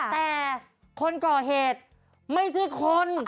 แต่คนก่อเหตุไม่ใช่คน